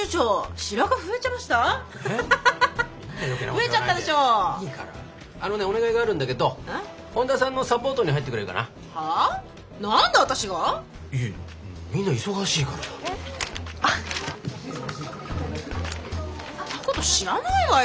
そんなこと知らないわよ。